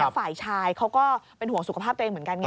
แต่ฝ่ายชายเขาก็เป็นห่วงสุขภาพตัวเองเหมือนกันไง